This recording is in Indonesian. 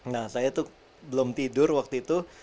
nah saya tuh belum tidur waktu itu